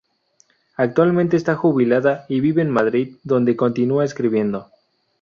Actualmente está jubilada y vive en Madrid, donde continúa escribiendo.